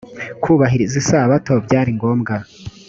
kubahiriza isabato byari ngombwa.